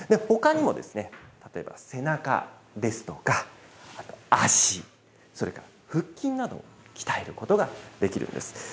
ほかにも、例えば背中ですとか、あと足、それから腹筋などを鍛えることができるんです。